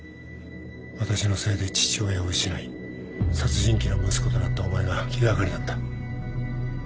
私のせいで父親を失い殺人鬼の息子となったお前が気掛かりだった。